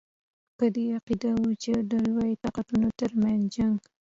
په دې عقیده وو چې د لویو طاقتونو ترمنځ جنګ.